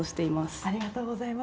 ありがとうございます。